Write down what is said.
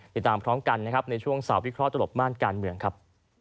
ติดตามพร้อมกันนะครับในช่วงสาววิเคราะหลบม่านการเมืองครับ